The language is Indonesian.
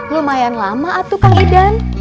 lumayan lama atu kak adidan